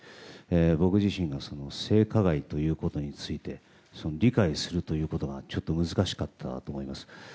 僕自身が性加害ということについて理解するということが難しかったと思います。